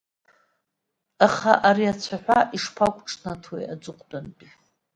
Аха ари ацәаҳәа ишԥақәҿнаҭуеи аҵыхәтәантәи…